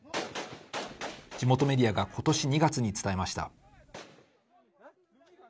地元メディアがことし２月に伝えました。